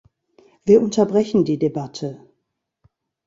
Wir unterbrechen die Debatte.